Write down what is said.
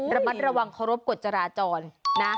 ระมัดระวังเคารพกฎจราจรนะ